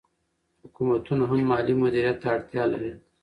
حکومتونه هم مالي مدیریت ته اړتیا لري.